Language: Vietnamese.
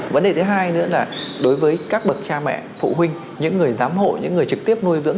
vấn đề thứ hai nữa là đối với các bậc cha mẹ phụ huynh những người giám hộ những người trực tiếp nuôi dưỡng